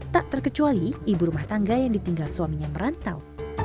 tak terkecuali ibu rumah tangga yang ditinggal suaminya merantau